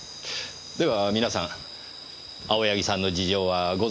では皆さん青柳さんの事情はご存じなんですね？